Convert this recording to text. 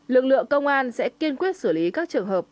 lực lượng công an sẽ kiên quyết xử lý các trường hợp